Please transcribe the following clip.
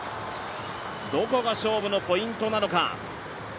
どこが勝負のポイントなのか。